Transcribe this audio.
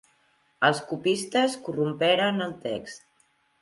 Els copistes corromperen el text.